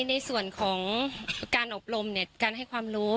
ในส่วนของการอบรมเนี่ยการให้ความรู้